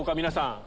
皆さん。